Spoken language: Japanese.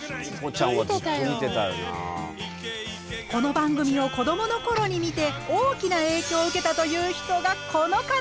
この番組を子どもの頃に見て大きな影響を受けたという人がこの方！